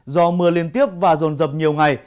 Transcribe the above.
do mưa liên tiếp và rồn rập nhiều ngày